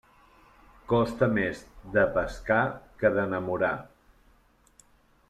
Costa més de pescar que d'enamorar.